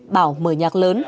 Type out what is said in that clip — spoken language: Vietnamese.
bảo mở nhạc lớn